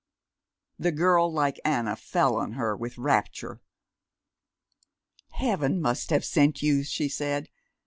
The girl like Anna fell on her with rapture. "Heaven must have sent you," she said.